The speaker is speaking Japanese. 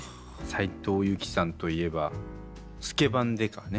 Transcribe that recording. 斉藤由貴さんといえば「スケバン刑事」ね。